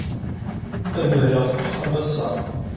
Ad mahleɣ deg uxxam ass-a.